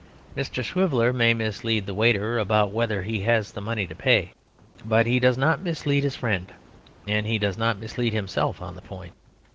Mr. Swiveller may mislead the waiter about whether he has the money to pay; but he does not mislead his friend, and he does not mislead himself on the point.